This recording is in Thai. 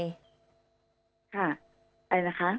ค่ะอะไรนะคะ